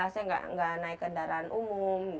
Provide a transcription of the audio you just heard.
saya nggak naik kendaraan umum